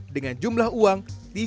dengan jumlah uang